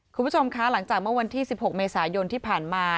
คุณผู้ชมคะหลังจากเมื่อวันที่๑๖เมษายนที่ผ่านมา